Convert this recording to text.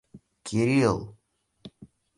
Кирилл